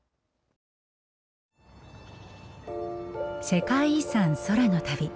世界遺産空の旅。